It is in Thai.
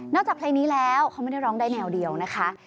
จากเพลงนี้แล้วเขาไม่ได้ร้องได้แนวเดียวนะคะ